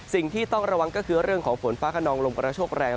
สิ่งที่ต้องระวังก็คือเรื่องของฝนฟ้าขนองลมกระโชคแรง